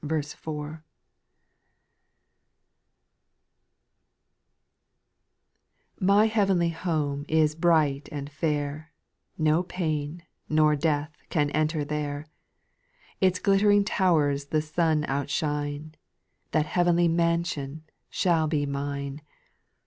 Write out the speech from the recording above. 1\f Y heavenly home is bright and fair, iiX Nor pain, nor death can enter there ; Its glittering towers the sun outshine, That heavenly mansion shall be mine.